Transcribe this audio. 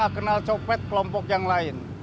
kenal copet kelompok yang lain